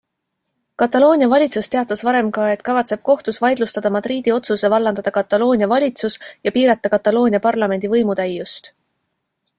Kataloonia valitsus teatas varem ka, et kavatseb kohtus vaidlustada Madridi otsuse vallandada Kataloonia valitsus ja piirata Kataloonia parlamendi võimutäiust.